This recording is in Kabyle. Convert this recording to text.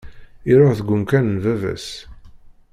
Iruḥ deg umkan n baba-s.